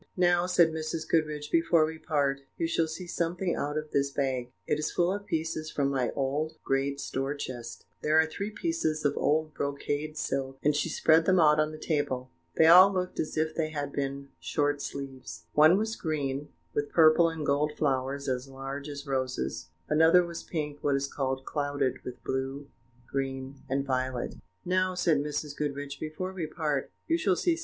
"Now," said Mrs. Goodriche, "before we part, you shall see something out of this bag; it is full of pieces from my old great store chest; there are three pieces of old brocade silk," and she spread them out on the table. They all looked as if they had been short sleeves; one was green, with purple and gold flowers as large as roses; another was pink, what is called clouded with blue, green, and violet: and the third was dove colour, with running stripes of satin.